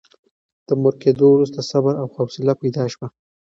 د مور کېدو وروسته صبر او حوصله پیدا شوه.